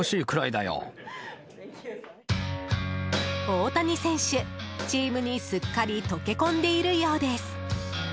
大谷選手、チームにすっかり溶け込んでいるようです。